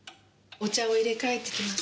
お茶をいれかえてきます。